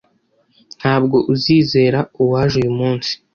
Ntabwo uzizera uwaje uyu munsi.